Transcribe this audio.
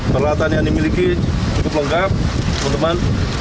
peralatan yang dimiliki cukup lengkap teman teman